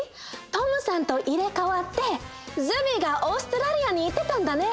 Ｔｏｍさんと入れかわってＺｕｂｙがオーストラリアに行ってたんだね。